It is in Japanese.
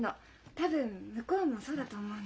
多分向こうもそうだと思うな。